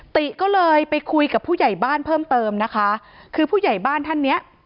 ติก็เลยไปคุยกับผู้ใหญ่บ้านเพิ่มเติมนะคะคือผู้ใหญ่บ้านท่านเนี้ย